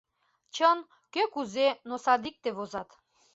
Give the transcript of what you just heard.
Чын, кӧ кузе, но садикте возат.